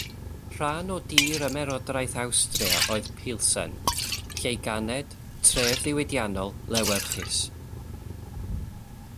Rhan o dir Ymerodraeth Awstria oedd Pilsen, lle'i ganed, tref ddiwydiannol, lewyrchus.